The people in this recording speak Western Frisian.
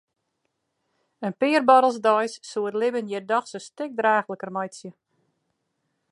In pear buorrels deis soe it libben hjir dochs in stik draachliker meitsje.